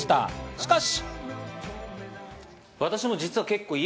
しかし。